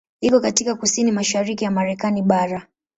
Iko katika kusini-mashariki ya Marekani bara.